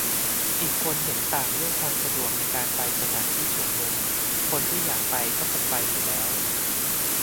อีกคนเห็นต่างเรื่องความสะดวกในการไปสถานที่ชุมนุม คนที่อยากไปก็คงไปอยู่แล้ว